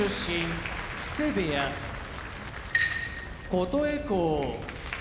琴恵光